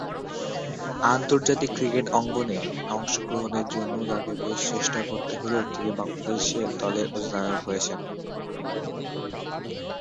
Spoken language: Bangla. আন্তর্জাতিক ক্রিকেট অঙ্গনে অংশগ্রহণের জন্য তাকে বেশ চেষ্টা করতে হলেও তিনি বাংলাদেশ এ-দলের অধিনায়কত্ব করেছেন।